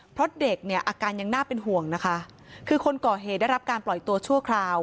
เพราะเด็กเนี่ยอาการยังน่าเป็นห่วงนะคะคือคนก่อเหตุได้รับการปล่อยตัวชั่วคราว